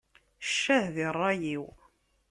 Ccah di ṛṛay-iw!